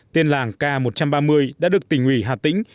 tên làng k một trăm ba mươi đã được tỉnh ủy hà tĩnh